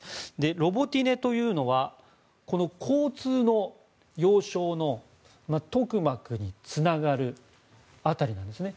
ロボティネというのは交通の要衝のトクマクにつながる辺りなんですね。